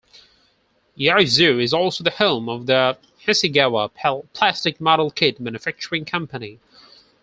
Yaizu is also the home of the Hasegawa plastic model kit manufacturing company.